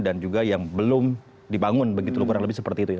dan juga yang belum dibangun kurang lebih seperti itu